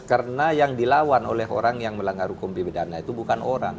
karena yang dilawan oleh orang yang melanggar hukum pidana itu bukan orang